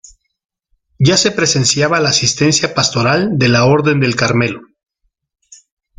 Ya se presenciaba la asistencia pastoral de la Orden del Carmelo.